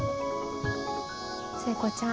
聖子ちゃん。